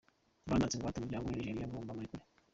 Banatse ingwate umuryango we muri Nigeria ngo bamurekure.